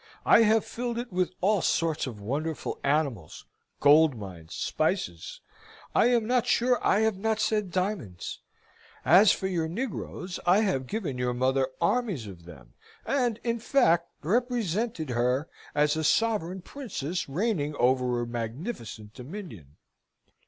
I have filled it with all sorts of wonderful animals, gold mines, spices; I am not sure I have not said diamonds. As for your negroes, I have given your mother armies of them, and, in fact, represented her as a sovereign princess reigning over a magnificent dominion.